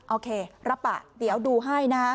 โอเครับปะเดี๋ยวดูให้นะฮะ